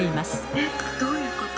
えっどういうこと？